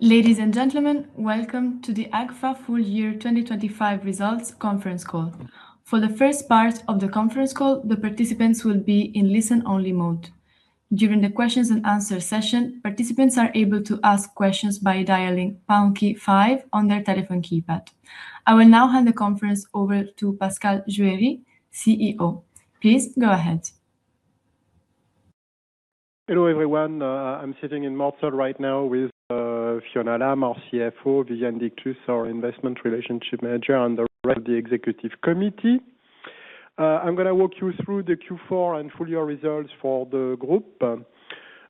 Ladies and gentlemen, welcome to the Agfa Full Year 2025 Results Conference Call. For the first part of the conference call, the participants will be in listen-only mode. During the questions and answer session, participants are able to ask questions by dialing pound key five on their telephone keypad. I will now hand the conference over to Pascal Juéry, CEO. Please go ahead. Hello, everyone. I'm sitting in Mortsel right now with Fiona Lam, our CFO, Viviane Dictus, our Investor Relations Manager, and the rest of the executive committee. I'm gonna walk you through the Q4 and full year results for the group.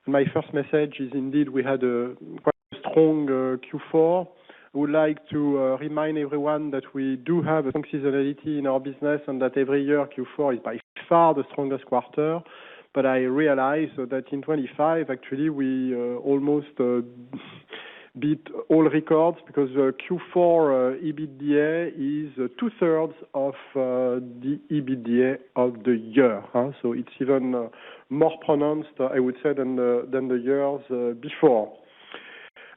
My first message is indeed we had a quite strong Q4. I would like to remind everyone that we do have a seasonality in our business, and that every year, Q4 is by far the strongest quarter. I realized that in 2025, actually, we almost beat all records because the Q4 EBITDA is 2/3 of the EBITDA of the year. It's even more pronounced, I would say, than the years before.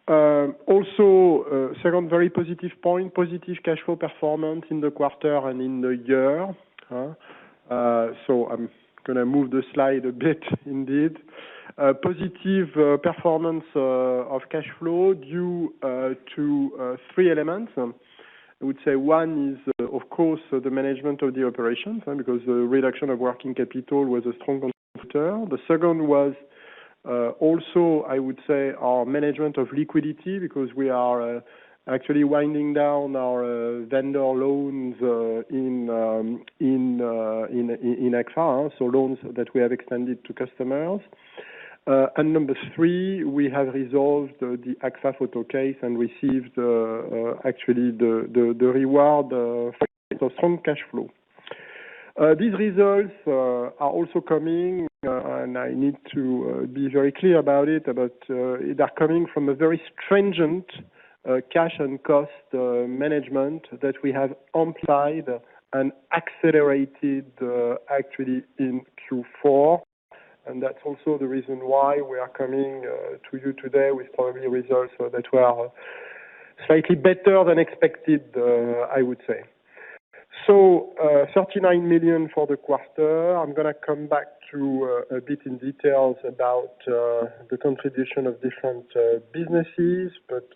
Also, second very positive point, positive cash flow performance in the quarter and in the year. I'm gonna move the slide a bit, indeed. Positive performance of cash flow due to three elements. I would say one is, of course, the management of the operations, because the reduction of working capital was a strong contributor. The second was also, I would say, our management of liquidity because we are actually winding down our vendor loans in XR, so loans that we have extended to customers. Number three, we have resolved the AgfaPhoto case and received actually the award of strong cash flow. These results are also coming and I need to be very clear about it, they are coming from a very stringent cash and cost management that we have implemented and accelerated actually in Q4. That's also the reason why we are coming to you today with probably results that were slightly better than expected, I would say. 39 million for the quarter. I'm gonna come back to a bit in detail about the contribution of different businesses.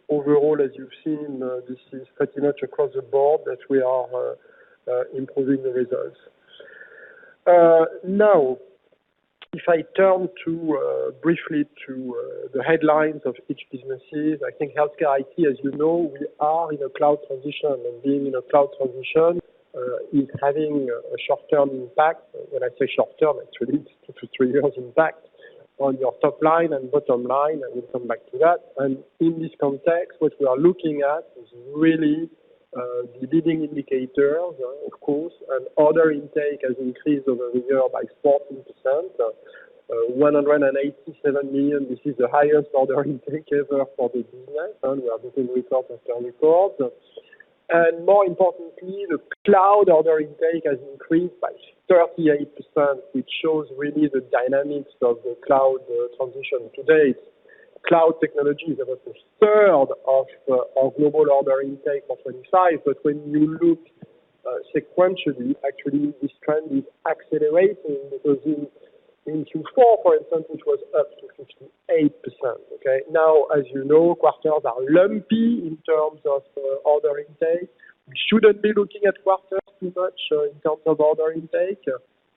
Overall, as you've seen, this is pretty much across the board that we are improving the results. Now, if I turn to briefly the headlines of each businesses, I think HealthCare IT, as you know, we are in a cloud transition, and being in a cloud transition is having a short-term impact. When I say short term, it's really two to three years impact on your top line and bottom line, and we'll come back to that. In this context, what we are looking at is really the leading indicator, of course, and order intake has increased over the year by 14%. 187 million, this is the highest order intake ever for the business, and we are looking forward to our third quarter. More importantly, the cloud order intake has increased by 38%, which shows really the dynamics of the cloud transition. Today, cloud technology is about a third of our global order intake for 2025. When you look sequentially, actually this trend is accelerating because in Q4, for instance, it was up to 58%, okay. Now, as you know, quarters are lumpy in terms of order intake. We shouldn't be looking at quarters too much in terms of order intake.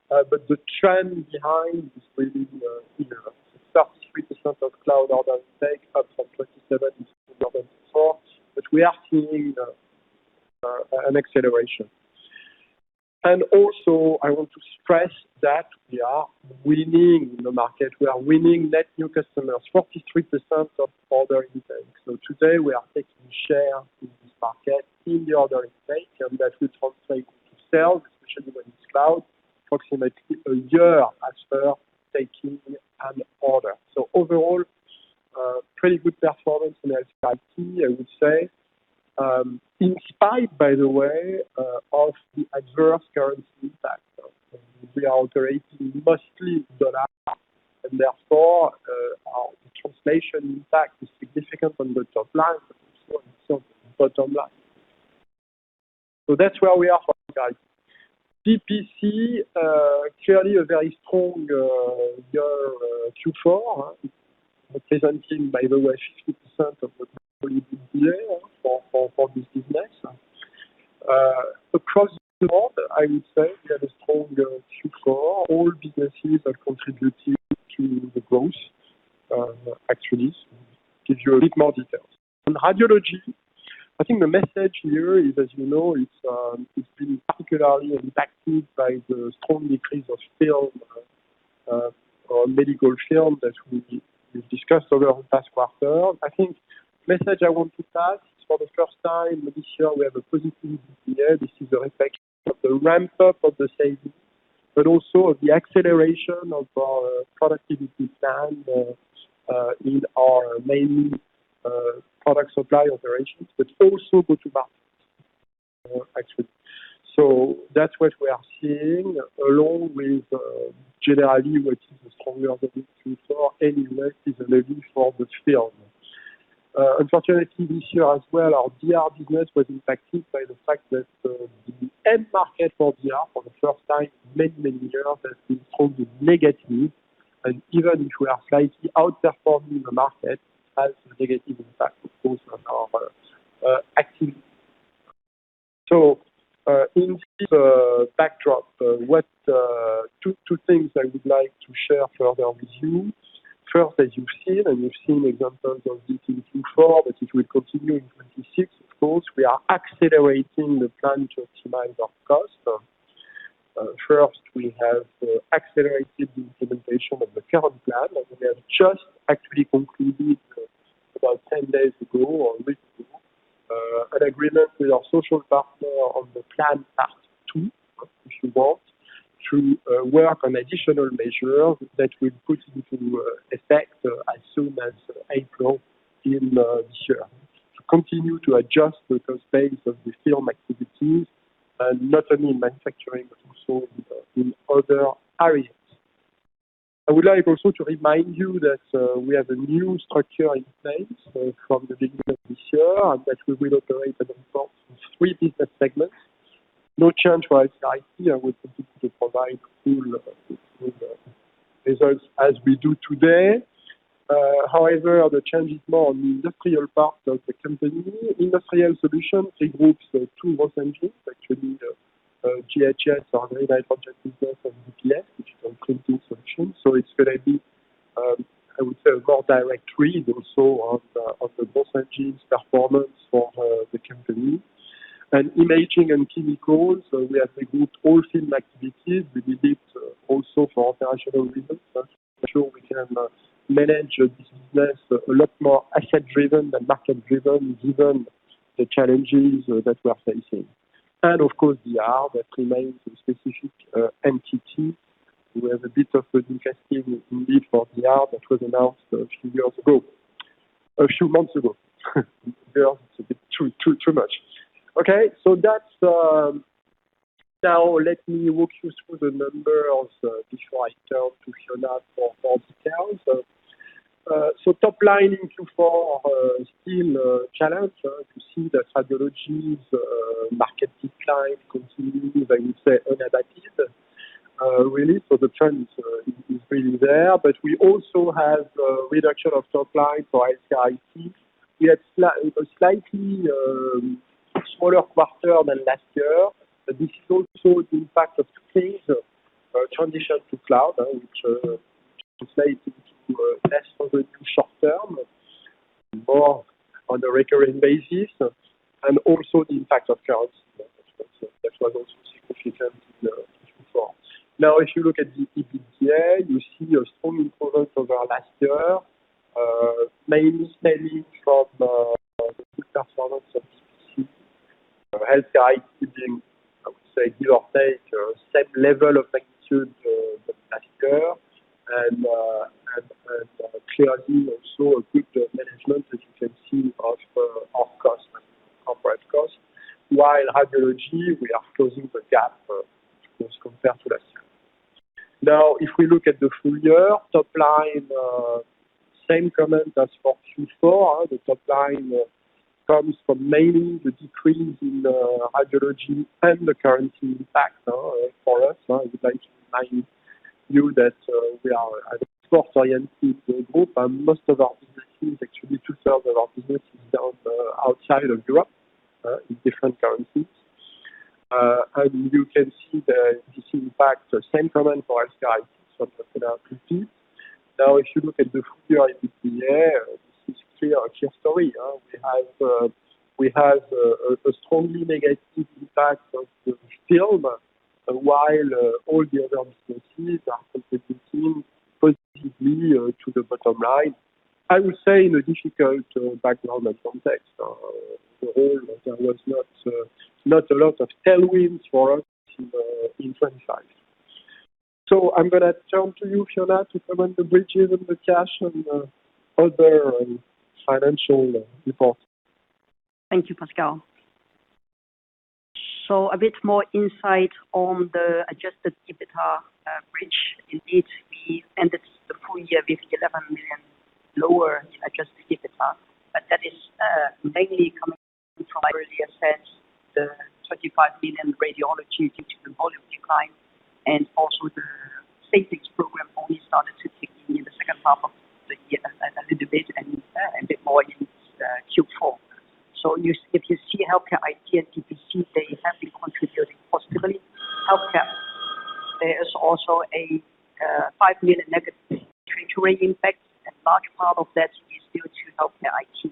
The trend behind is really, you know 33% of cloud order intake up from 27% in quarter four. We are seeing an acceleration. Also, I want to stress that we are winning the market. We are winning net new customers, 43% of order intake. Today, we are taking share in this market in the order intake, and that will translate to sales, especially when it's cloud, approximately a year after taking an order. Overall, a pretty good performance in HealthCare IT, I would say. In spite, by the way, of the adverse currency impact. We are operating mostly dollar, and therefore, our translation impact is significant on the top line, so on bottom line. That's where we are for HealthCare IT. DPC clearly a very strong year, Q4 representing, by the way, 50% of the total EBITDA for this business. Across the board, I would say we have a strong Q4. All businesses are contributing to the growth. Actually, give you a bit more details. On Radiology, I think the message here is, as you know, it's been particularly impacted by the strong decrease of film or medical film that we discussed over the past quarter. I think message I want to pass, for the first time this year, we have a positive EBITDA. This is a reflection of the ramp-up of the savings, but also of the acceleration of our productivity plan, in our main product supply operations, but also go to market. Actually. That's what we are seeing along with, generally what is a stronger than before headwind is mainly for the film. Unfortunately, this year as well, our DR business was impacted by the fact that, the end market for DR for the first time in many, many years has been totally negative. And even if we are slightly outperforming the market has a negative impact of course, on our activity. In this backdrop, what two things I would like to share further with you. First, as you've seen, and you've seen examples of this in Q4, but it will continue in 2026. Of course, we are accelerating the plan to optimize our cost. First, we have accelerated the implementation of the current plan, and we have just actually concluded, about 10 days ago or a week ago, an agreement with our social partner on the plan part two, if you want, to work on additional measures that we put into effect as soon as April in this year to continue to adjust the cost base of the film activities, not only in manufacturing but also in other areas. I would like also to remind you that we have a new structure in place from the beginning of this year, and that we will operate on three business segments. No change for IT. We continue to provide full results as we do today. However, the change is more on the industrial part of the company. Industrial Solutions, it groups two engines, both the GHS, Green Hydrogen Solutions, and DPS, which is our Digital Printing Solutions. It's gonna be, I would say, a more direct read also of the both engines performance for the company. Imaging and Chemicals, we have grouped all film activities. We did it also for operational reasons. I'm sure we can manage a business a lot more asset-driven than market-driven, given the challenges that we are facing. Of course, DR that remains a specific entity. We have a bit of a divesting indeed for DR that was announced a few months ago. Years, it's a bit too much. Okay, that's. Now let me walk you through the numbers before I turn to Fiona for more details. Top line in Q4 are still challenged. You see the Radiology market decline continuing, I will say, unabated, really. The trend is really there. We also have a reduction of top line for HCIT. We had slightly smaller quarter than last year, but this is also the impact of two things. Transition to cloud, which translates into less orders in the short term, more on a recurring basis, and also the impact of currency. That was also significant in Q4. Now, if you look at the EBITDA, you see a strong improvement over last year, mainly stemming from the good performance of DPC. HealthCare IT being, I would say, give or take, same level of magnitude than last year. Clearly also a good management, as you can see of our cost and operating cost, while Radiology we are closing the gap, of course, compared to last year. Now, if we look at the full year top line, same comment as for Q4. The top line comes from mainly the decrease in Radiology and the currency impact for us. I would like to remind you that we are a software-oriented group, and most of our businesses, actually 2/3 of our business is done outside of Europe in different currencies. You can see this impact, same comment for HCIT from 2020. Now, if you look at the full year EBITDA, this is clear story. We have a strongly negative impact of the film, while all the other businesses are contributing positively to the bottom line. I will say in a difficult background and context, for all, there was not a lot of tailwinds for us in 2025. I'm gonna turn to you, Fiona, to comment the bridges and the cash and other financial reports. Thank you, Pascal. A bit more insight on the adjusted EBITDA bridge. Indeed, we ended the full year with 11 million lower in adjusted EBITDA, but that is mainly coming from. I already said, the 25 million radiology due to the volume decline and also the savings program only started to kick in in the second half of the year a little bit and a bit more in Q4. If you see HealthCare IT and DPC, they have been contributing positively. HealthCare, there is also a EUR 5 million negative treasury impact, and large part of that is due to HealthCare IT,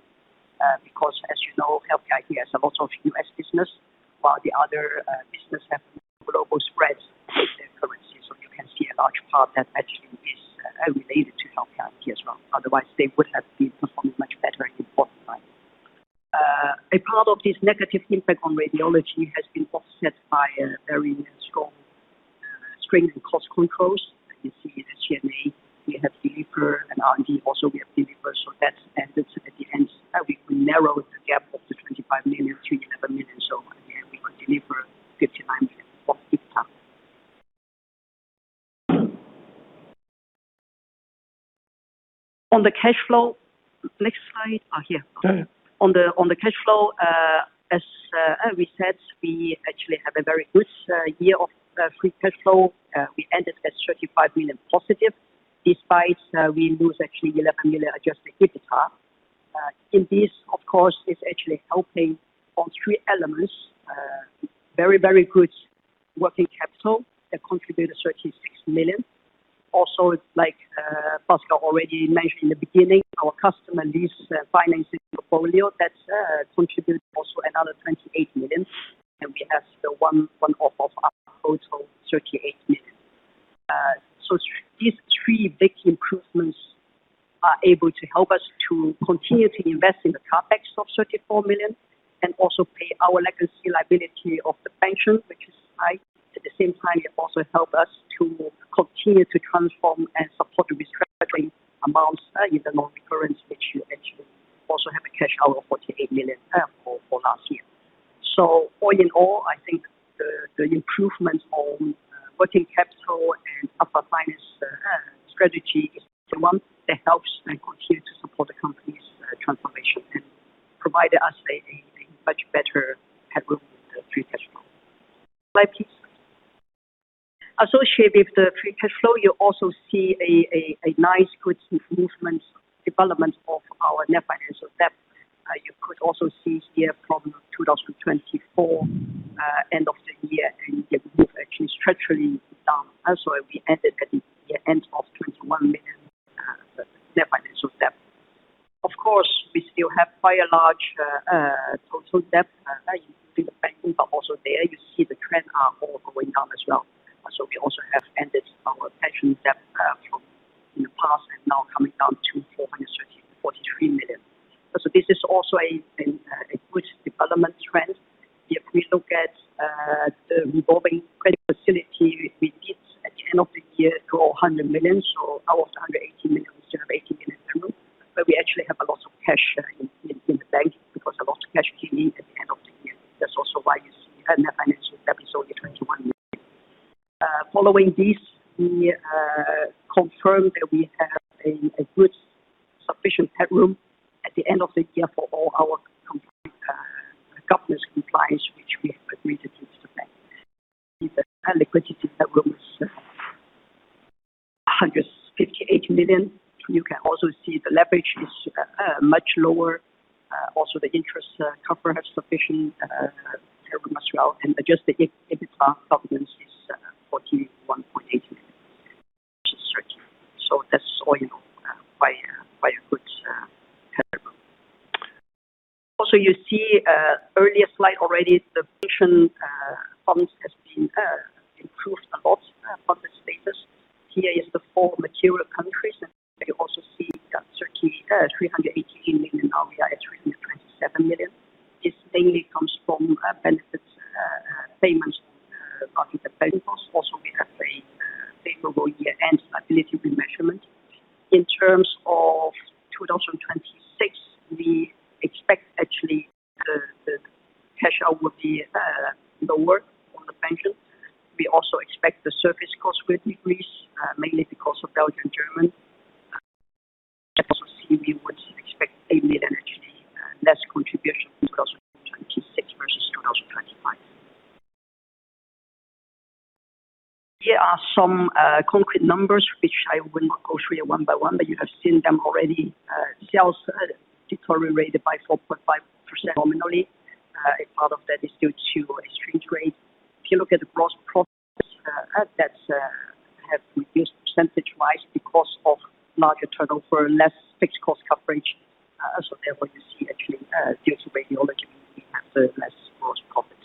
because as you know, HealthCare IT has a lot of U.S. business while the other business have global spread with their currency. You can see a large part that actually is related to HealthCare IT as well, otherwise they would have been performing much better in fourth quarter. A part of this negative impact on Radiology has been offset by a very stringent and cost controls. You see the SG&A, we have delivered, and R&D also we have delivered. That's, and it's at the end, we narrowed the gap of EUR 25 million to EUR 11 million. Again, we continue for EUR 59 million of EBITDA. On the cash flow. Next slide. Here. Go ahead. On the cash flow, as we said, we actually have a very good year of free cash flow. We ended at 35 million positive, despite we lose actually 11 million adjusted EBITDA. In this, of course, is actually helping on three elements. Very, very good working capital that contributed 36 million. Also, like Pascal already mentioned in the beginning, our customer leases the financing portfolio. That's contributed also another 28 million, and we have the one-off of our total 38 million. So these three big improvements are able to help us to continue to invest in the CapEx of 34 million and also pay our legacy liability of the pension, which is high. At the same time, it also helps us to continue to transform and support restructuring amounts in the non-recurrent issue that you also have a cash out of 48 million for last year. All in all, I think the improvements on working capital and our financing strategy is the one that helps and continues to support the company's transformation and provides us a much better headroom with the free cash flow. Slide, please. Associated with the free cash flow, you also see a nice, good development of our net financial debt. You could also see here from 2024 end of the year, and you can actually move structurally down. Also, we ended at the end of 21 million net financial debt. Of course, we still have quite a large total debt in the bank, but also there you see the trend are all going down as well. We also have ended our pension debt from in the past and now coming down to 434.3 million. This is also a good development trend. If we look at the revolving credit facility, we did at the end of the year draw 100 million, so out of the 180 million, we still have 80 million to move. We actually have a lot of cash in the bank because a lot of cash you need at the end of the year. That's also why you see net financial debt is only EUR 21 million. Following this, we confirm that we have a good sufficient headroom at the end of the year for all our company governance compliance, which we have agreed with the bank. The liquidity headroom is EUR 158 million. You can also see the leverage is much lower. Also the interest coverage has sufficient headroom as well. Adjusted EBITDA governance is EUR 41.8 million versus EUR 30 million. That's all in all quite a good headroom. Also, you see earlier slide already, the pension funds has been improved a lot on the status. Here is the four material countries, and you also see that from EUR 380 million now we are at EUR 27 million. This mainly comes from benefits payments on the pension cost. We have a favorable year-end liability remeasurement. In terms of 2026, we expect actually the cash out would be lower for the pension. We also expect the service cost will decrease mainly because of Belgium, Germany. We would expect EUR 1 million actually less contribution in 2026 versus 2025. Here are some concrete numbers, which I will not go through one by one, but you have seen them already. Sales deteriorated by 4.5% nominally. A part of that is due to exchange rate. If you look at the gross profits, that has reduced percentage-wise because of larger turnover and less fixed cost coverage. Therefore you see actually due to Radiology, we have less gross profit.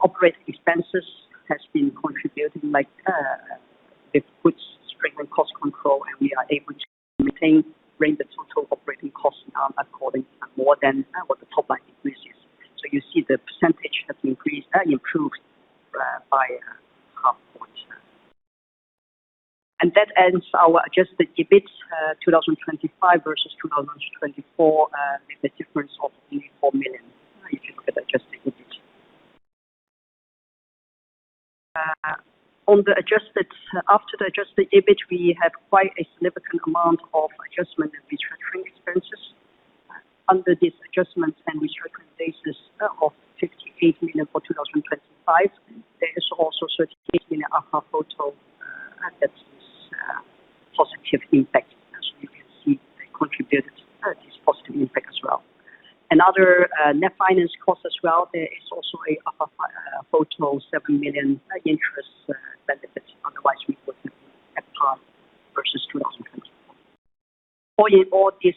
Operating expenses has been contributing, like, a good strength on cost control, and we are able to maintain rein on the total operating costs now, according to more than what the top line increase is. You see the percentage has increased, improved, by 0.5 point. That ends our adjusted EBIT 2025 versus 2024 with a difference of 84 million if you look at adjusted EBIT. After the adjusted EBIT, we have quite a significant amount of adjustments and restructuring expenses. Under this adjustments and restructuring basis of 58 million for 2025, there is also 13 million AgfaPhoto that is positive impact. You can see they contributed this positive impact as well. Other net finance costs as well, there is also other finance for the 7 million interest benefits otherwise we would have had versus 2024. All in all, this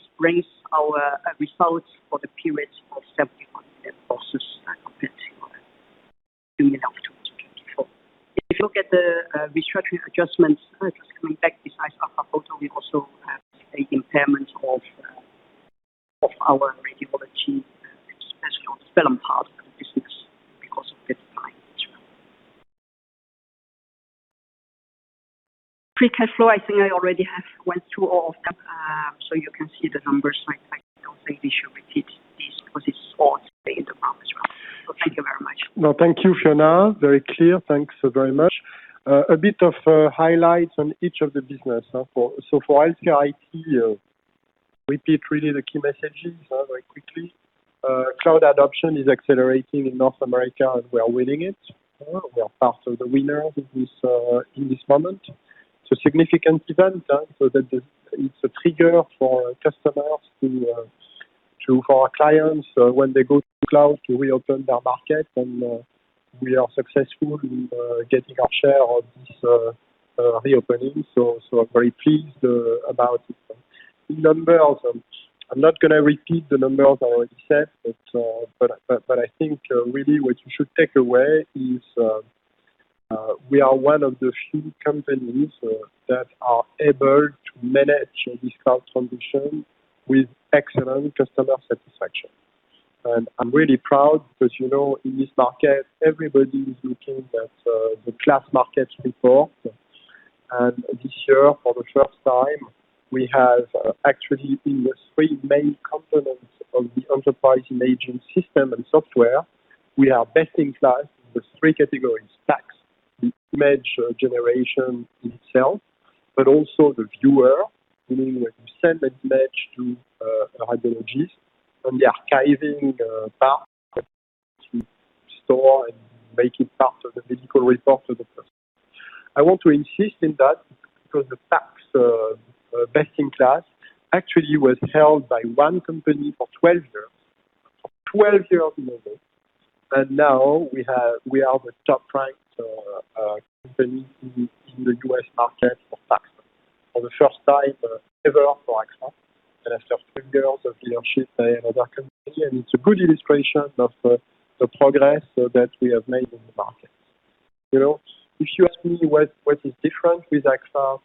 brings our results for the period of 71 million versus comparing to EUR 2 million of 2024. If you look at the restructuring adjustments, just coming back besides other for the, we also have an impairment of our Radiology-- selling part of the business because of this high margin. Free cash flow, I think I already have went through all of them, so you can see the numbers. I don't think we should repeat this because it's all in the presentation as well. Thank you very much. No, thank you, Fiona. Very clear. Thanks very much. A bit of highlights on each of the business. For HealthCare IT, repeat really the key messages very quickly. Cloud adoption is accelerating in North America, and we are winning it. We are part of the winner in this moment. It's a significant event, it's a trigger for customers for our clients when they go to cloud to reopen their market, and we are successful in getting our share of this reopening. I'm very pleased about it. In numbers, I'm not gonna repeat the numbers I already said, but I think really what you should take away is we are one of the few companies that are able to manage this cloud transition with excellent customer satisfaction. I'm really proud because, you know, in this market, everybody is looking at the KLAS Markets report. This year, for the first time, we have actually in the three main components of the enterprise imaging system and software, we are best in class in the three categories, PACS, the image generation in itself, but also the viewer, meaning when you send an image to a radiologist, and the archiving part of it to store and make it part of the medical report to the person. I want to insist on that because the PACS best in class actually was held by one company for 12 years. For 12 years now, and now we are the top-ranked company in the U.S. market for PACS. For the first time ever for Agfa and after a few years of leadership by another company, and it's a good illustration of the progress that we have made in the market. You know, if you ask me what is different with Agfa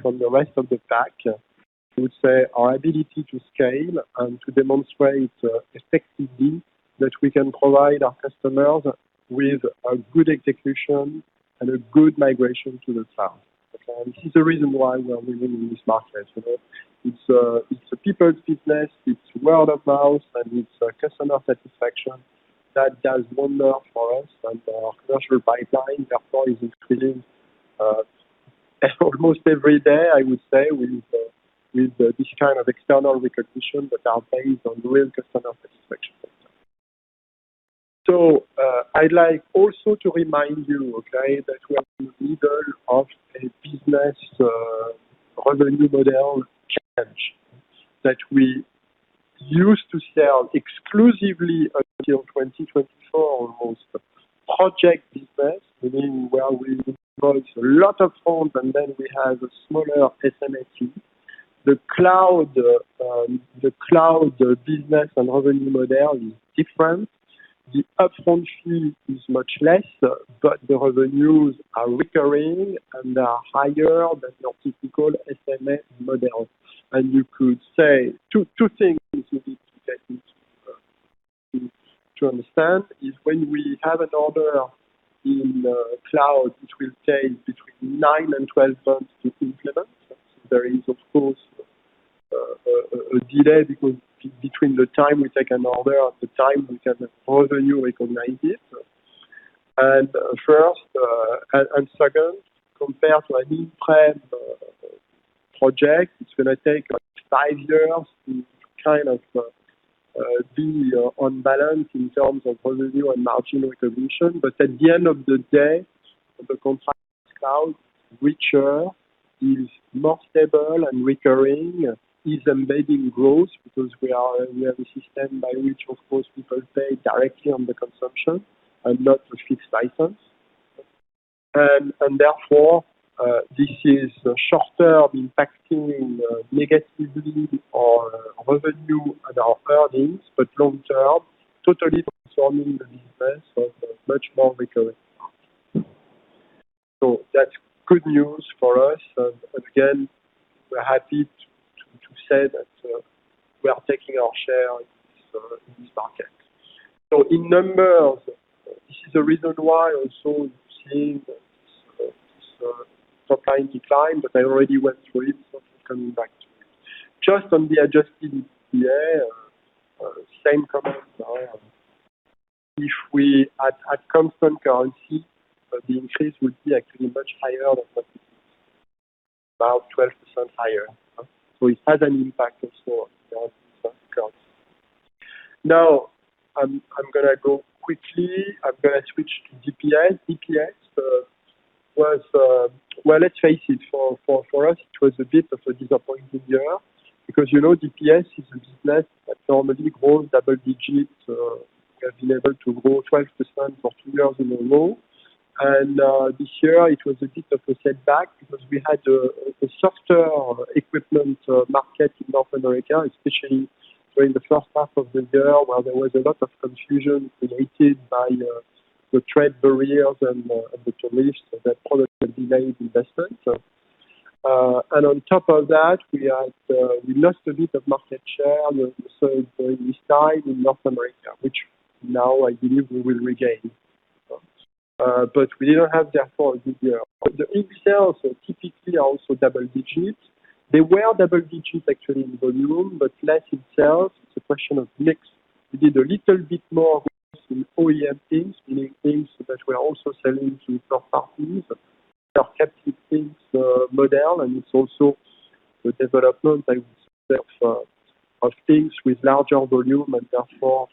from the rest of the pack, I would say our ability to scale and to demonstrate effectively that we can provide our customers with a good execution and a good migration to the cloud. Okay. This is the reason why we are winning in this market. You know, it's a people's business, it's word of mouth, and it's customer satisfaction that does wonders for us. Our commercial pipeline, therefore, is increasing almost every day, I would say, with this kind of external recognition that are based on real customer satisfaction. I'd like also to remind you, okay, that we are in the middle of a business revenue model change that we used to sell exclusively until 2024 almost project business, meaning where we invoice a lot of CapEx, and then we have a smaller SMA. The cloud business and revenue model is different. The upfront fee is much less, but the revenues are recurring, and they are higher than your typical SMA model. You could say two things you need to take into to understand is when we have an order in cloud, which will take between 9 and 12 months to implement. There is of course a delay because between the time we take an order and the time we have the revenue recognized. First and second, compared to an on-prem project, it's gonna take us five years to kind of be on balance in terms of revenue and margin recognition. At the end of the day, the contract is cloud, which is more stable and recurring, is embedding growth because we have a system by which of course people pay directly on the consumption and not a fixed license. Therefore, this short-term impacting negatively our revenue and our earnings, but long-term, totally transforming the business to a much more recurring model. That's good news for us. We're happy to say that we are taking our share in this market. In numbers, this is the reason why also you've seen this top line decline, but I already went through it, so I'm coming back to it. Just on the adjusted EBITDA, same comment. If we had constant currency, the increase would be actually much higher than about 12% higher. It has an impact also on currency. Now, I'm gonna go quickly. I'm gonna switch to DPS. DPS was-- Well, let's face it, for us, it was a bit of a disappointing year because, you know, DPS is a business that normally grows double digits. We have been able to grow 12% for two years in a row. This year it was a bit of a setback because we had a softer equipment market in North America, especially during the first half of the year where there was a lot of confusion created by the trade barriers and the tariffs that probably delayed investment. On top of that, we lost a bit of market share on the solar side in North America, which now I believe we will regain. But we didn't have therefore a good year. And the ink sales are typically also double digits. They were double digits actually in volume, but less in sales. It's a question of mix. We did a little bit more with some OEM things, meaning things that we are also selling to third parties. They are captive things, model, and it's also the development I would say of things with larger volume and therefore,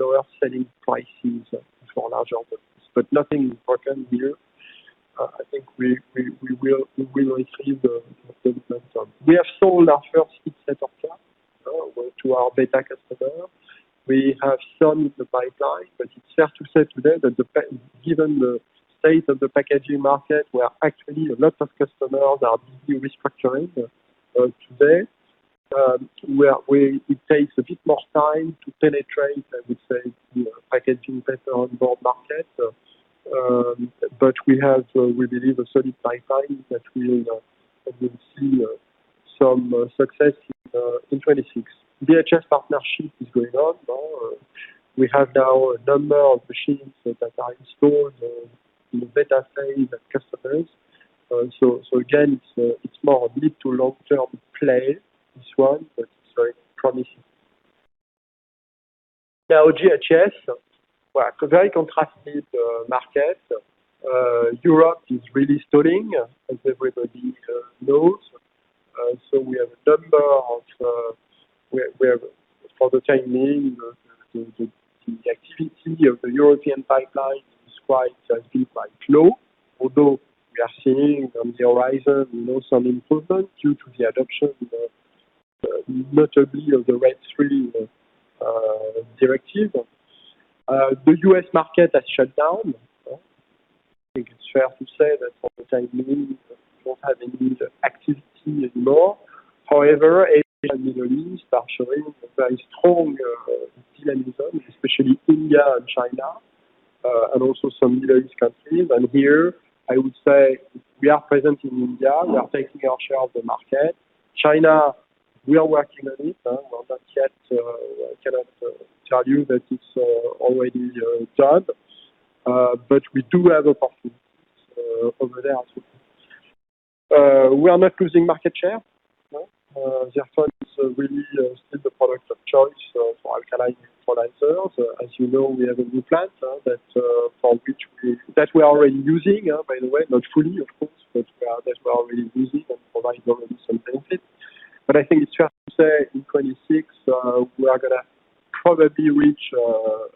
lower selling prices for larger volumes. Nothing important here. I think we will receive the development. We have sold our first heatset offset plant to our beta customer. We have some in the pipeline, but it's fair to say today that given the state of the packaging market, where actually a lot of customers are busy restructuring, it takes a bit more time to penetrate, I would say, the packaging corrugated board market. But we have, we believe a solid pipeline that we will, I will see, some success in 2026. DPS partnership is going on, no. We have now a number of machines that are installed in the beta phase at customers. So again, it's more of a long-term play, this one, but it's very promising. Now, GHS, well, a very contrasted market. Europe is really stalling as everybody knows. For the time being, the activity of the European pipeline is quite, I think, quite low. Although we are seeing on the horizon, you know, some improvement due to the adoption of, notably, of the RED III directive. The U.S. market has shut down. I think it's fair to say that for the time being, we don't have any activity anymore. However, Asia and Middle East are showing a very strong dynamism, especially India and China, and also some Middle East countries. Here I would say we are present in India. We are taking our share of the market. China, we are working on it. We cannot yet tell you that it's already done. We do have opportunities over there too. We are not losing market share. No. Therefore, it's really still the product of choice for alkaline electrolyzers. As you know, we have a new plant that we are already using, by the way, not fully of course, but providing some benefit. But I think it's fair to say in 2026, we are gonna probably reach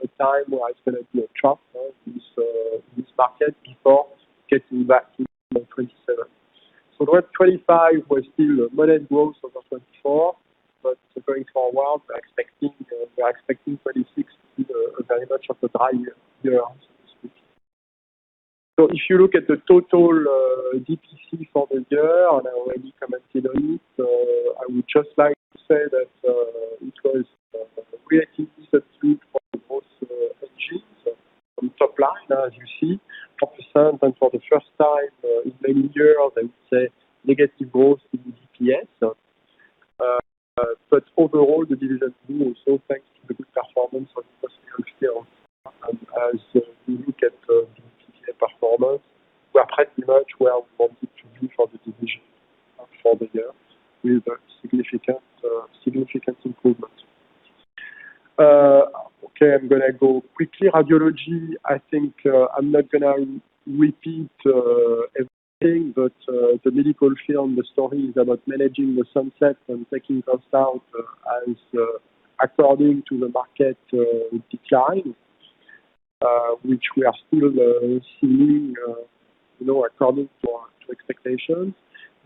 a time where it's gonna be a trough for this market before getting back in 2027. 2025 was still a moderate growth over 2024, but going forward, we are expecting 2026 to be a very much of a dry year so to speak. If you look at the total DPC for the year, and I already commented on it, I would just like to say that it was a great substitute for both engines from top line, as you see, 10% and for the first time in many years we saw negative growth in the DPS. Overall the division did well also, thanks to the good performance on industrial film. As we look at the DPC performance, we are pretty much where we wanted to be for the division for the year with a significant improvement. Okay, I'm gonna go quickly. Radiology, I think, I'm not gonna repeat everything, but the medical film, the story is about managing the sunset and taking costs out as according to the market decline, which we are still seeing, you know, according to our expectations.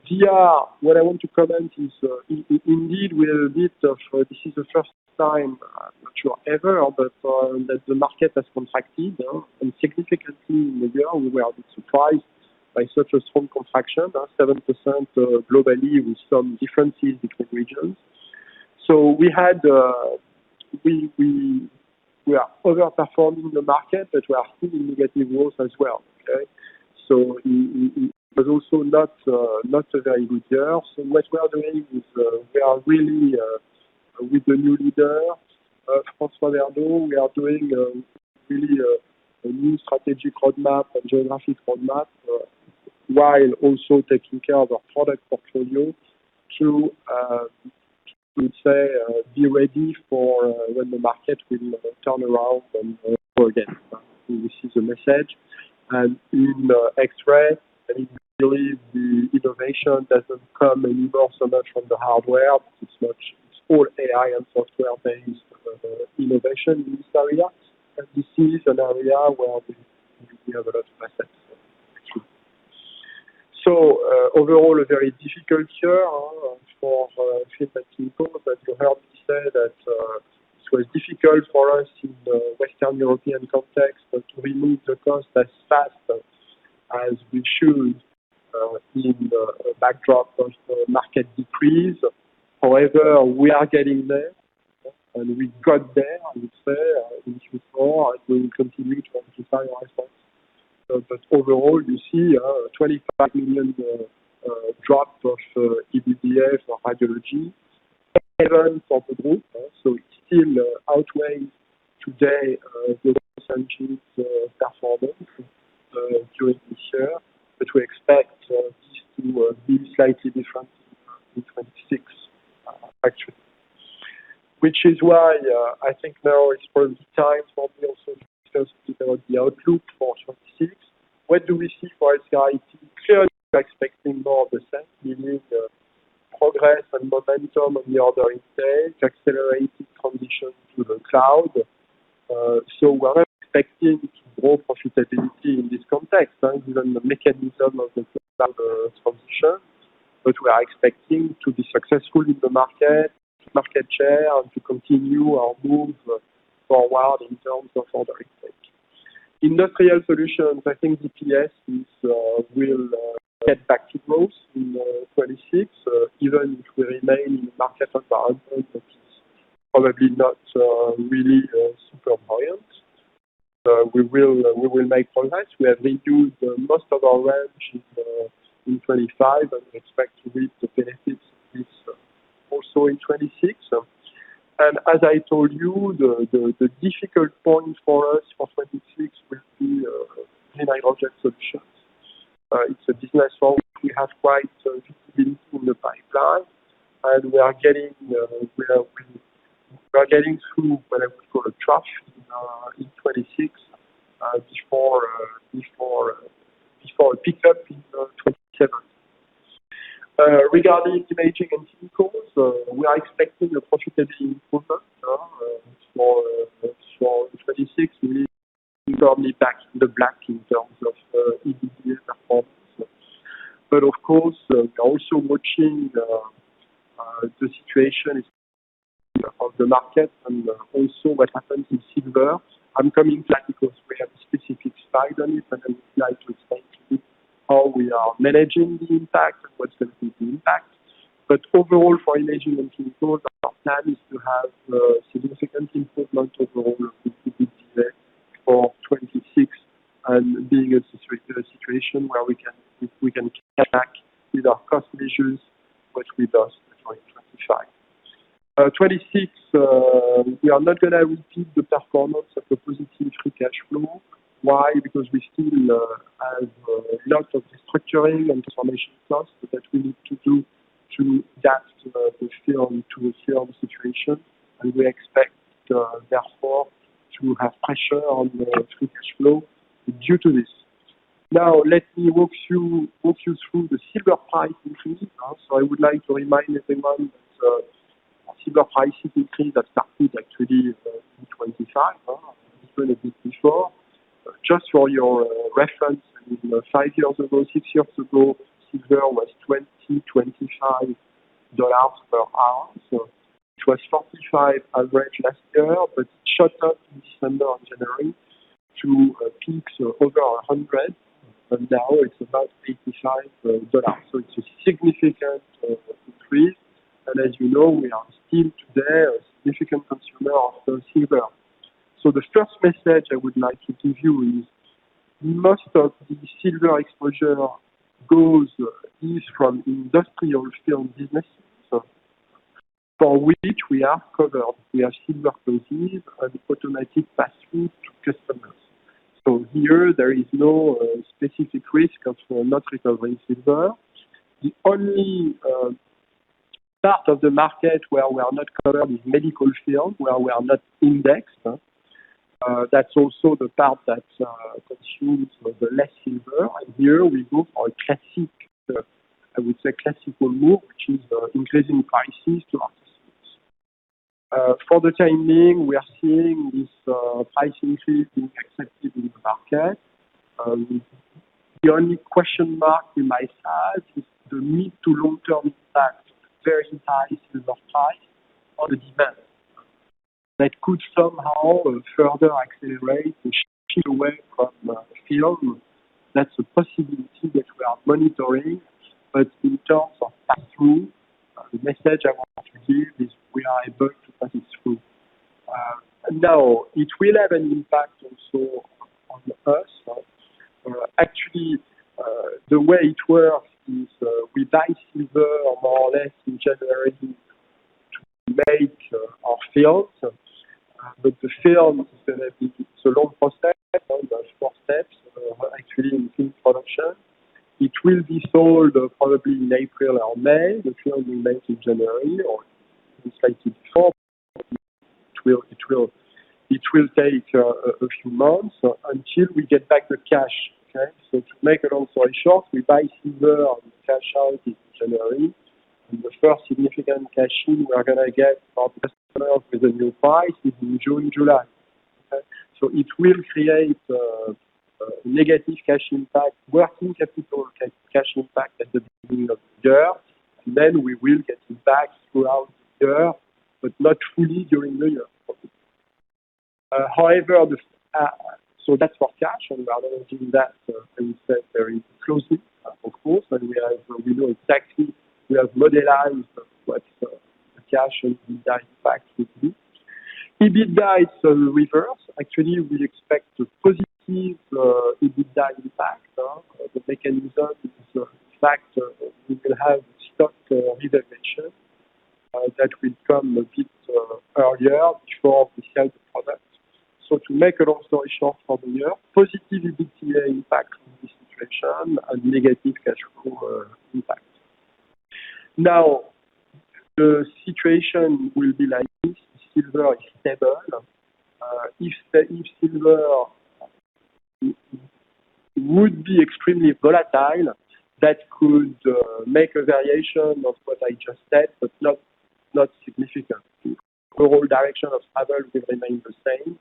DR, what I want to comment is, indeed we are a bit off, this is the first time, I'm not sure ever, but that the market has contracted and significantly in the year we were a bit surprised by such a strong contraction, 7%, globally with some differences between regions. We are overperforming the market, but we are still in negative growth as well. Okay. It was also not a very good year. What we are doing is, we are really, with the new leader, François Verdeaux, we are doing, really, a new strategic roadmap, a geographic roadmap, while also taking care of our product portfolio to, I would say, be ready for, when the market will, you know, turn around and grow again. This is the message. In X-ray, I believe the innovation doesn't come anymore so much from the hardware. It's all AI and software-based innovation in this area. This is an area where we have a lot of assets. Overall a very difficult year for radiology people, but you heard me say that it was difficult for us in the Western European context to remove the cost as fast as we should in the backdrop of market decrease. However, we are getting there. We got there, I would say, in Q4, and we will continue to amplify our response. Overall, you see a 25 million drop of EBITDA for Radiology. Even for the group, so it still outweighs today the savings performance during this year. We expect this to be slightly different in 2026 actually. Which is why I think now it's probably time for me also to discuss about the outlook for 2026. What do we see for HCIT? Clearly, we are expecting more of the same. We need progress and momentum on the order intake, accelerated transition to the cloud. We are expecting to grow profitability in this context, given the mechanism of the cloud transition. We are expecting to be successful in the market share, and to continue our move forward in terms of order intake. Industrial Solutions, I think DPS will get back to growth in 2026, even if we remain in market environment that is probably not really super buoyant. We will make progress. We have reduced most of our range in 2025, and we expect to reap the benefits this also in 2026. As I told you, the difficult point for us for 2026 will be Digital Printing Solutions. It's a business where we have quite a visibility in the pipeline, and we are getting through what I would call a trough in 2026 before a pickup in 2027. Regarding Imaging and Printing, we are expecting a profitability improvement for 2026. We need to be firmly back in the black in terms of EBITDA performance. Of course, we are also watching the situation of the market and also what happens in silver. I'm coming back because we have a specific slide on it, and I would like to explain to you how we are managing the impact, what's going to be the impact. Overall, for Imaging and Printing, our plan is to have a significant improvement overall of the EBITDA for 2026 and being a situation where we can cut back with our cost measures what we did during 2025. 2026, we are not gonna repeat the performance of a positive free cash flow. Why? Because we still have lots of restructuring and transformation costs that we need to do to adapt the film situation. We expect, therefore, to have pressure on the free cash flow due to this. Now, let me walk you through the silver price increase. I would like to remind everyone that, silver price increase that started actually in 2025. It's been a bit before. Just for your reference, you know, five years ago, six years ago, silver was $20-$25 per ounce. It was $45 average last year. It shot up in December or January to peaks over $100. Now it's about $85. It's a significant increase. As you know, we are still today a significant consumer of silver. The first message I would like to give you is most of the silver exposure is from industrial film business. For which we are covered, we have silver leases and automatic pass-through to customers. Here there is no specific risk of not recovering silver. The only part of the market where we are not covered is medical film, where we are not indexed. That's also the part that consumes the less silver. Here we go for a classic, I would say classical move, which is, increasing prices to our customers. For the time being, we are seeing this, price increase being accepted in the market. The only question mark in my side is the mid to long-term impact, very high silver price on the demand. That could somehow further accelerate the shifting away from the film. That's a possibility that we are monitoring. In terms of pass-through, the message I want to give is we are able to pass it through. Now, it will have an impact also on us. Actually, the way it works is, we buy silver more or less in January to make our films. The film, it's a long process. There's four steps, actually, in film production. It will be sold probably in April or May. The film we make in January or in Q4. It will take a few months until we get back the cash. Okay? To make a long story short, we buy silver and cash out in January. The first significant cash in we are gonna get from our customers with a new price is in June, July. Okay? It will create a negative cash impact, working capital cash impact at the beginning of the year. Then we will get it back throughout the year, but not fully during the year. However, that's for cash. Rather than doing that, as you said, very closely, of course, and we know exactly, we have modeled what the cash and the impact would be. EBITDA is the reverse. Actually, we expect a positive EBITDA impact. The mechanism is the fact we will have stock redemption that will come a bit earlier before we sell the product. To make a long story short for the year, positive EBITDA impact in this situation and negative cash flow impact. Now, the situation will be like this, silver is stable. If silver would be extremely volatile, that could make a variation of what I just said, but not significant. The whole direction overall will remain the same.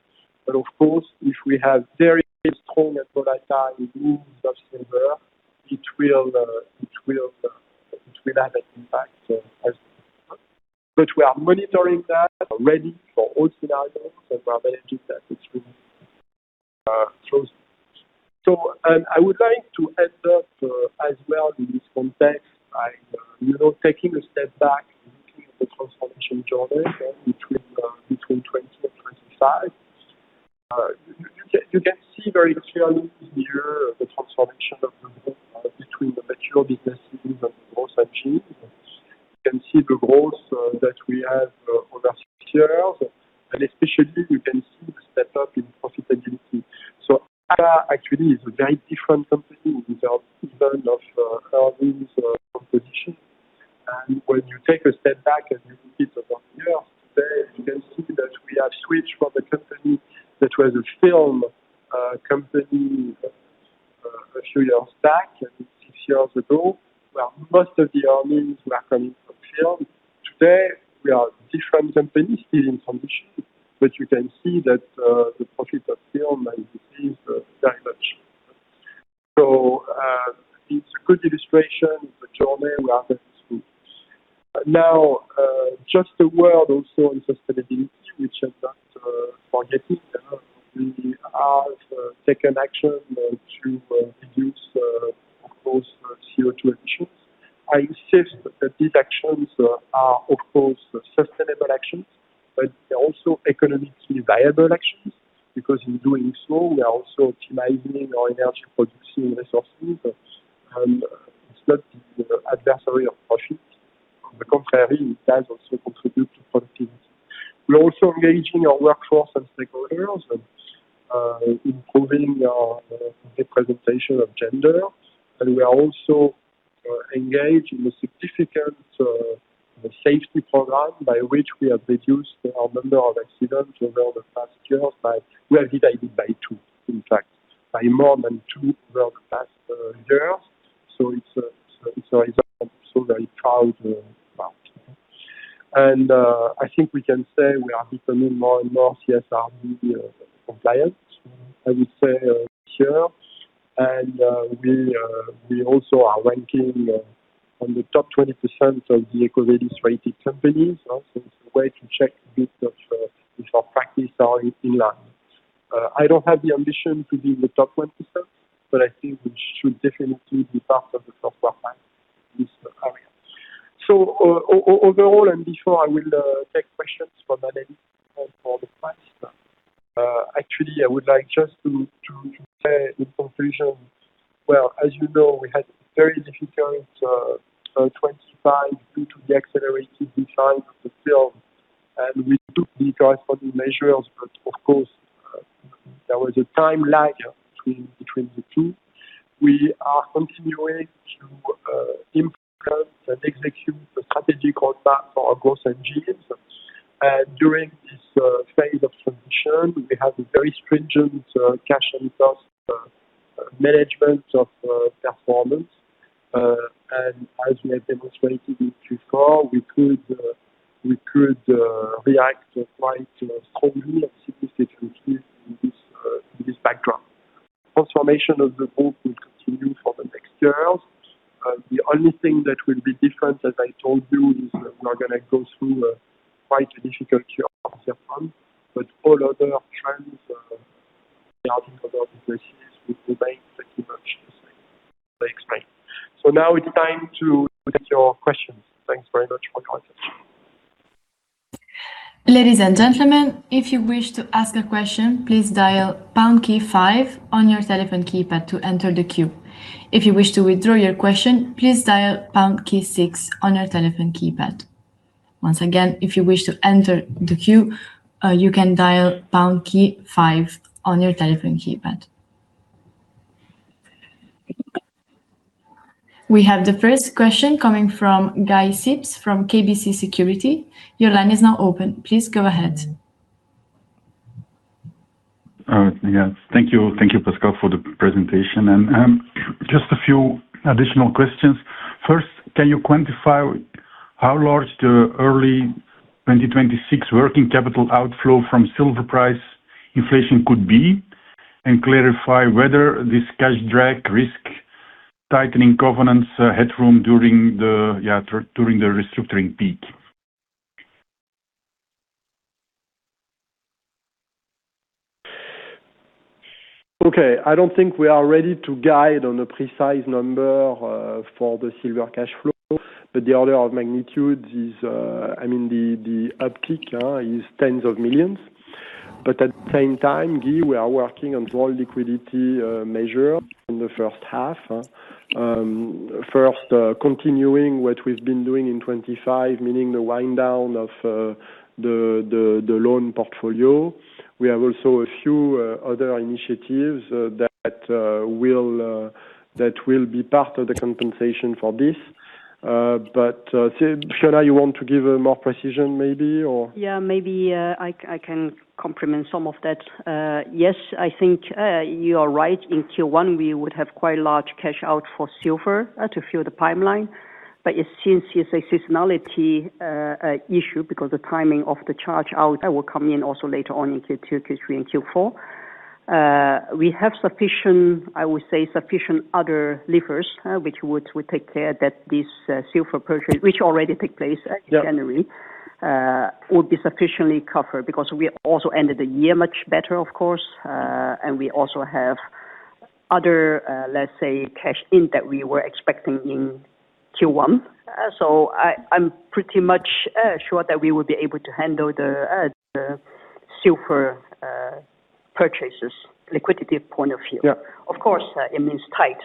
Of course, if we have very strong and volatile moves of silver, it will have an impact. We are monitoring that, ready for all scenarios. We are managing that extremely closely. I would like to end up as well in this context. I'm you know taking a step back and looking at the transformation journey between 2020 and 2025. You can see very clearly here the transformation of the group between the mature businesses and growth engines. You can see the growth that we have over six years, and especially you can see the step-up in profitability. Agfa actually is a very different company without even thinking of earnings or competition. When you take a step back and you look at it over the years, you can see that we have switched from a company that was a film company a few years back, I think six years ago, where most of the earnings were coming from film. Today, we are different company still in some mission, but you can see that, the profit of film is very much. It's a good illustration of the journey we're having to. Now, just a word also on sustainability, which is not forgetting. We have taken action to reduce, of course, CO2 emissions. I insist that these actions are, of course, sustainable actions, but they're also economically viable actions because in doing so, we are also optimizing our energy producing resources. It's not the adversary of profit. On the contrary, it does also contribute to profit. We're also engaging our workforce and stakeholders and improving our representation of gender. We are also engaged in a significant safety program by which we have reduced our number of accidents over the past years. We have divided by two, in fact, by more than two over the past years. It's a result I'm so very proud about. I think we can say we are becoming more and more CSRD compliant, I would say, this year. We also are ranking on the top 20% of the EcoVadis rated companies. Also, it's a way to check a bit of if our practices are in line. I don't have the ambition to be in the top 1%, but I think we should definitely be part of the top five in this area. Overall, before I will take questions from Nathalie and from the press, actually, I would like just to say in conclusion, well, as you know, we had very difficult 2025 due to the accelerated decline of the film, and we took the corresponding measures. Of course, there was a time lag between the two. We are continuing to implement and execute the strategic roadmap for our growth engines. During this phase of transition, we have a very stringent cash and cost management of performance. As we have demonstrated it before, we could react quite strongly and successfully with this backdrop. Transformation of the group will continue for the next years. The only thing that will be different, as I told you, is that we are gonna go through a quite difficult year up front, but all other trends regarding our businesses will remain pretty much the same as I explained. Now it's time to take your questions. Thanks very much for your attention. Ladies and gentlemen, if you wish to ask a question, please dial pound key five on your telephone keypad to enter the queue. If you wish to withdraw your question, please dial pound key six on your telephone keypad. Once again, if you wish to enter the queue, you can dial pound key five on your telephone keypad. We have the first question coming from Guy Sips from KBC Securities. Your line is now open. Please go ahead. All right. Yes. Thank you. Thank you, Pascal, for the presentation. Just a few additional questions. First, can you quantify how large the early 2026 working capital outflow from silver price inflation could be? Clarify whether this cash drag risk, tightening governance headroom during the restructuring peak. I don't think we are ready to guide on a precise number for the severance cash flow, but the order of magnitude is, I mean, the uptick is tens of millions. At the same time, Guy, we are working on our liquidity measures in the first half. First, continuing what we've been doing in 2025, meaning the wind down of the loan portfolio. We have also a few other initiatives that will be part of the compensation for this. Fiona, you want to give more precision maybe or? Yeah. Maybe I can complement some of that. Yes, I think you are right. In Q1, we would have quite large cash out for silver to fuel the pipeline. It seems it's a seasonality issue because the timing of the cash out will come in also later on in Q2, Q3 and Q4. We have sufficient, I would say, other levers which would take care that this silver purchase, which already took place. In January would be sufficiently covered because we also ended the year much better, of course. We also have other, let's say, cash in that we were expecting in Q1. I'm pretty much sure that we will be able to handle the silver purchases, liquidity point of view. Yeah. Of course, it means tight,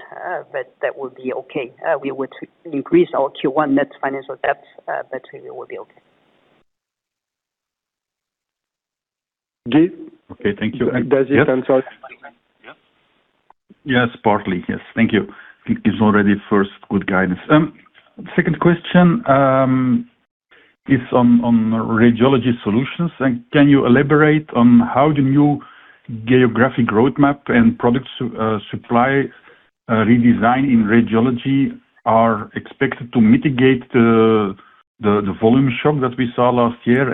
but that will be okay. We would increase our Q1 net financial debt, but we will be okay. Guy? Okay, thank you. Does it answer? Yes. Yes, partly, yes. Thank you. It's already first good guidance. Second question is on Radiology Solutions. Can you elaborate on how the new geographic roadmap and product supply redesign in Radiology are expected to mitigate the volume shock that we saw last year?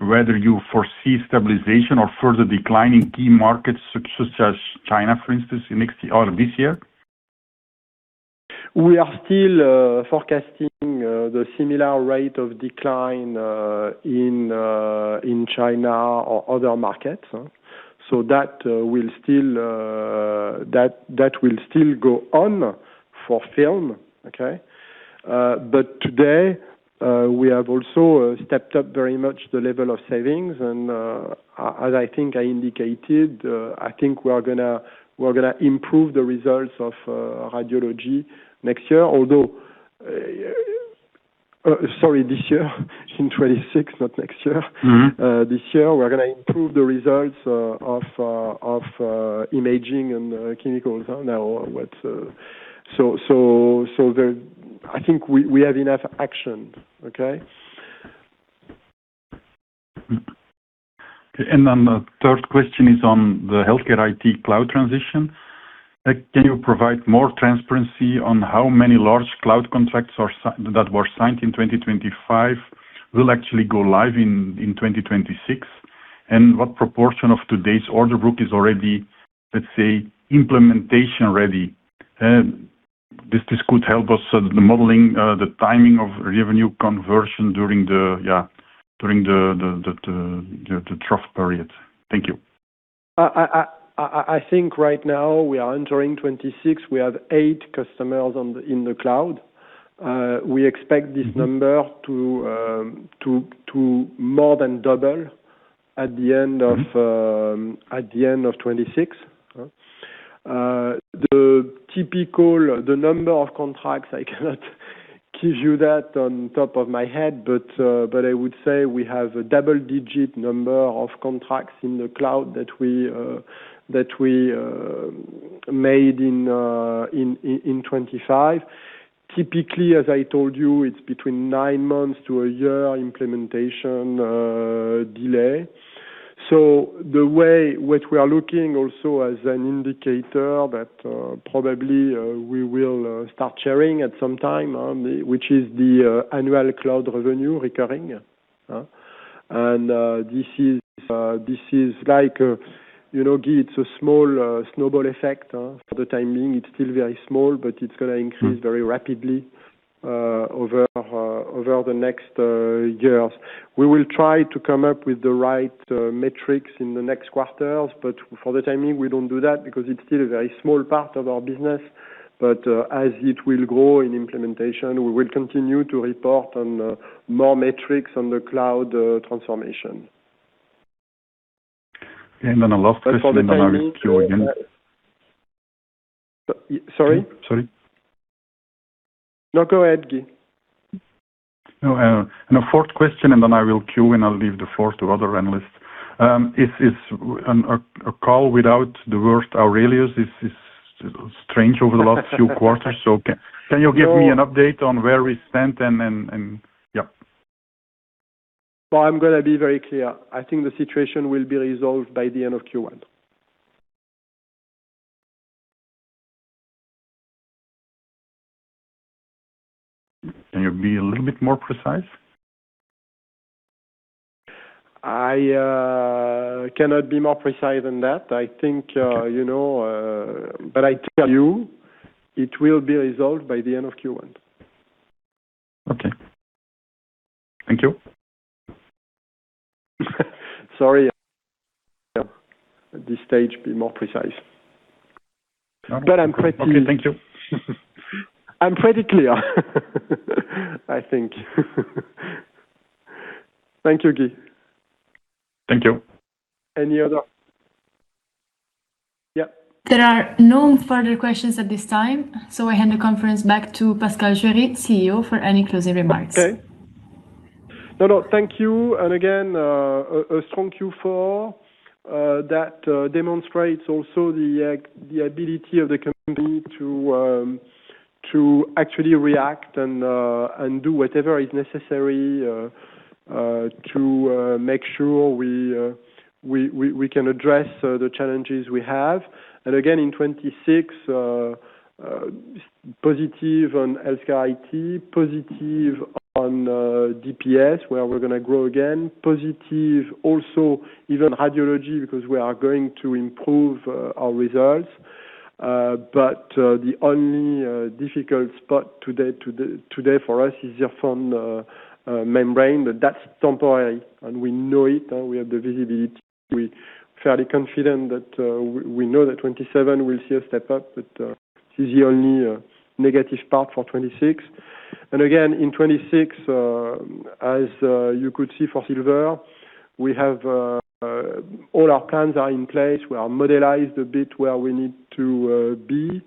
Whether you foresee stabilization or further decline in key markets such as China, for instance, in next year or this year? We are still forecasting the similar rate of decline in China or other markets. That will still go on for film. Okay? Today we have also stepped up very much the level of savings. As I think I indicated, I think we're gonna improve the results of Radiology next year. Sorry, this year. In 2026, not next year. This year, we're gonna improve the results of Imaging and Chemicals. I think we have enough action. Okay? The third question is on the HealthCare IT cloud transition. Can you provide more transparency on how many large cloud contracts that were signed in 2025 will actually go live in 2026? What proportion of today's order book is already, let's say, implementation ready? This could help us with the modeling, the timing of revenue conversion during the trough period. Thank you. I think right now we are entering 2026. We have eight customers in the cloud. We expect this number to more than double at the end of 2026. The number of contracts, I cannot give you that on top of my head, but I would say we have a double-digit number of contracts in the cloud that we made in 2025. Typically, as I told you, it's between nine months to a year implementation delay. The way what we are looking also as an indicator that probably we will start sharing at some time, which is the annual cloud revenue recurring. This is like, you know, Guy, it's a small snowball effect for the time being. It's still very small, but it's gonna increase very rapidly over the next years. We will try to come up with the right metrics in the next quarters, but for the timing, we don't do that because it's still a very small part of our business. As it will grow in implementation, we will continue to report on more metrics on the cloud transformation. The last question-- For the time being. Sorry? Sorry. No, go ahead, Guy. No. The fourth question, and then I will queue, and I'll leave the floor to other analysts. A call without the word Aurelius is strange over the last few quarters. Can you give me an update on where we stand? Well, I'm gonna be very clear. I think the situation will be resolved by the end of Q1. Can you be a little bit more precise? I cannot be more precise than that. I think, you know, but I tell you it will be resolved by the end of Q1. Okay. Thank you. Sorry. At this stage, be more precise. I'm pretty-- Okay. Thank you. I'm pretty clear, I think. Thank you, Guy. Thank you. Yeah. There are no further questions at this time, so I hand the conference back to Pascal Juéry, CEO, for any closing remarks. Okay. No, no. Thank you. A strong Q4 that demonstrates also the ability of the company to actually react and do whatever is necessary to make sure we can address the challenges we have. In 2026, positive on HealthCare IT, positive on DPS, where we're gonna grow again, positive also even Radiology, because we are going to improve our results. The only difficult spot today for us is just from the membrane, but that's temporary, and we know it, and we have the visibility. We're fairly confident that we know that 2027 will see a step up, but this is the only negative part for 2026. Again, in 2026, as you could see for Silver, we have all our plans are in place. We are modeled a bit where we need to be.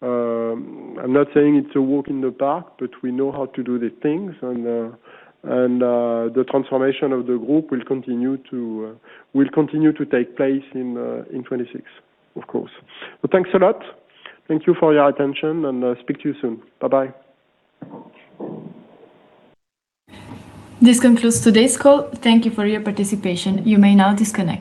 I'm not saying it's a walk in the park, but we know how to do the things and the transformation of the group will continue to take place in 2026, of course. Thanks a lot. Thank you for your attention, and I'll speak to you soon. Bye-bye. This concludes today's call. Thank you for your participation. You may now disconnect.